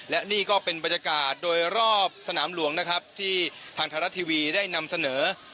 และนี่ก็เป็นบรรยากาศโดยรอบสนามหลวงนะครับที่ทางไทยรัฐทีวีได้นำเสนอ